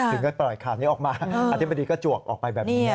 ถึงก็ปล่อยข่าวนี้ออกมาอธิบดีก็จวกออกไปแบบนี้